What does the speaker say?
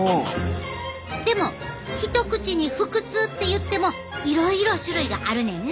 でも一口に腹痛っていってもいろいろ種類があるねんな！